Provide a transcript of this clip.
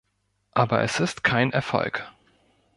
Aber es ist kein Erfolg.